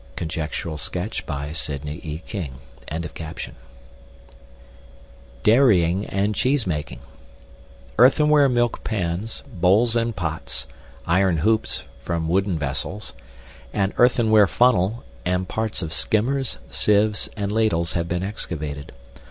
(Conjectural sketch by Sidney E. King.)] DAIRYING AND CHEESEMAKING Earthenware milk pans, bowls and pots, iron hoops (from wooden vessels), an earthenware funnel, and parts of skimmers, sieves, and ladles have been excavated.